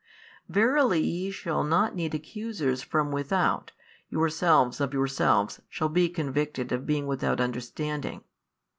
Verily ye shall not need accusers from without, yourselves of yourselves shall be convicted of being without understanding.